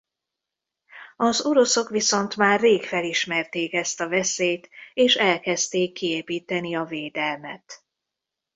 Az oroszok viszont már rég felismerték ezt a veszélyt és elkezdték kiépíteni a védelmet.